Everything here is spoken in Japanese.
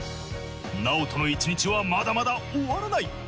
Ｎａｏｔｏの１日はまだまだ終わらない。